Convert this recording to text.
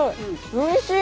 おいしい！